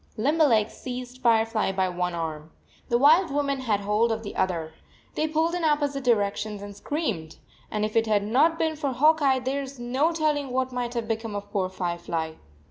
Lim berleg seized Firefly by one arm. The wild woman had hold of the other. 93 They pulled in opposite directions and screamed, and if it had not been for Hawk Eye, there s no telling what might have be come of poor Firefly.